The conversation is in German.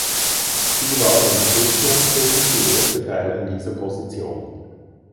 Sie war in Kristiansund die erste Frau in dieser Position.